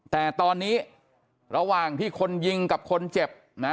แต่ตอนนี้ระหว่างที่คนยิงกับคนเจ็บนะ